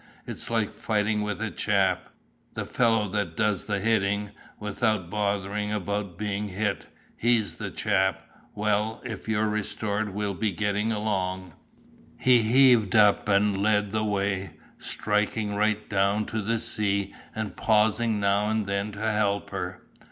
"It's like fighting with a chap, the fellow that does the hittin' without bothering about bein' hit. He's the chap. Well, if you're restored, we'll be gettin' along." He heaved up and led the way, striking right down to the sea and pausing now and then to help her.